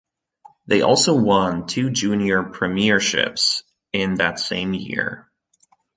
They also won two junior premierships in that same year.